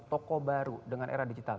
toko baru dengan era digital